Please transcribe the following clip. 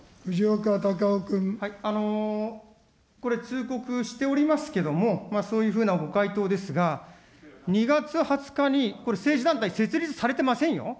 これ、通告しておりますけれども、そういうふうなご回答ですが、２月２０日にこれ、政治団体設立されていませんよ。